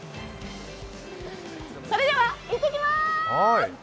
それでは行ってきます！